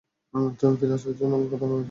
তুমি ফিরে আসার জন্য প্রার্থনা করছিলাম।